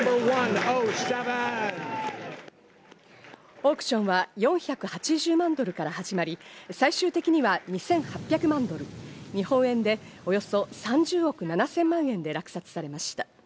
オークションは４８０万ドルから始まり、最終的には２８００万ドル、日本円でおよそ３０億７０００万円で落札されました。